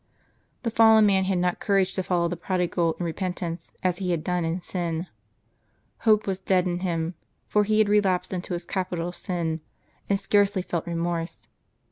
The fallen man had not courage to follow the prodigal in repentance, as he had done in sin. Hope was dead in him ; for he had relapsed into his capital sin, and scarcely felt remorse.